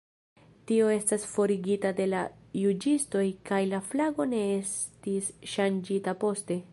Tio estis forigita de la juĝistoj kaj la flago ne estis ŝanĝita poste.